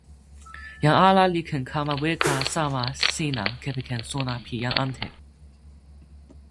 jan ala li ken kama weka sama sina kepeken sona pi jan ante.